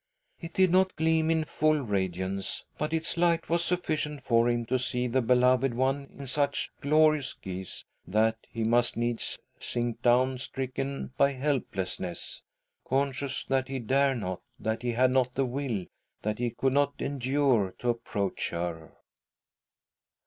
It did not gleam in full radiance, but its light was sufficient for him to see the beloved one in such glorious guise that he must needs sink down stricken by helplessness— conscious that he dare not, that he had not the will, that he could not endure to approach her.